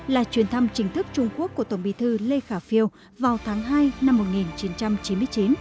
là chuyến thăm chính thức trung quốc của tổng bí thư lê khả phiêu vào tháng hai năm một nghìn chín trăm chín mươi chín